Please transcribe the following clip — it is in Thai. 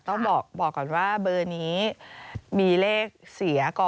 ต้องบอกก่อนว่าเบอร์นี้มีเลขเสียก่อน